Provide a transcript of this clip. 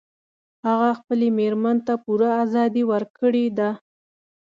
هغه خپلې میرمن ته پوره ازادي ورکړي ده